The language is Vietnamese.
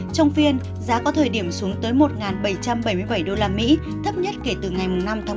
trong phiên giá có thời điểm xuống tới một bảy trăm bảy mươi bảy usd thấp nhất kể từ ngày năm tháng một mươi một